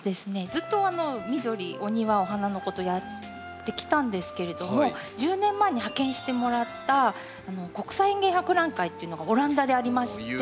ずっと緑お庭お花のことやってきたんですけれども１０年前に派遣してもらった国際園芸博覧会っていうのがオランダでありまして。